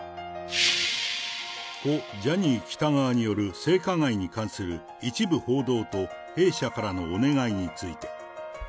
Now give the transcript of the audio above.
故・ジャニー喜多川による性加害に関する一部報道と弊社からのお願いについて。